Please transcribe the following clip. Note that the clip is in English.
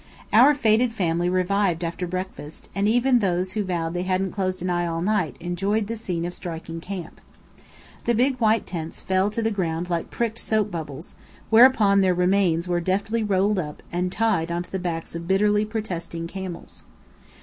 Our faded family revived after breakfast, and even those who vowed they hadn't closed an eye all night enjoyed the scene of striking camp. The big white tents fell to the ground like pricked soap bubbles; whereupon their remains were deftly rolled up and tied on to the backs of bitterly protesting camels.